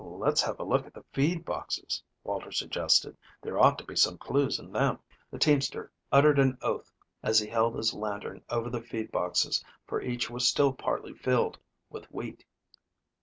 "Let's have a look at the feed boxes," Walter suggested; "there ought to be some clews in them." The teamster uttered an oath as he held his lantern over the feed boxes, for each was still partly filled with wheat.